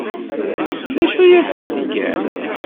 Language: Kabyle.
D acu ay asen-tgamt?